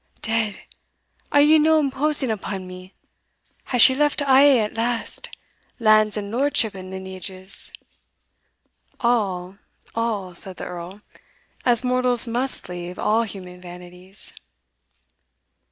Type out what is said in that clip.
"Dead! are ye no imposing upon me? has she left a' at last, lands and lordship and lineages?" "All, all," said the Earl, "as mortals must leave all human vanities."